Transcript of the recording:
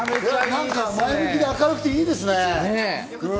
なんか前向きで明るくていいですね。